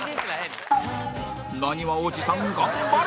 なにわおじさん頑張れ！